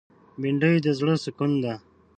بېنډۍ د زړه سکون ده